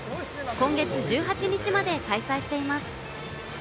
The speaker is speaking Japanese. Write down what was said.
今月１８日まで開催しています。